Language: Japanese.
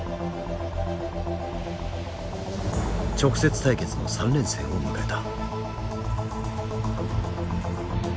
直接対決の３連戦を迎えた。